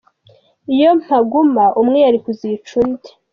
Iyo mpaguma umwe yari kuzica undi.